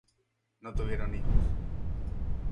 No tuvieron hijos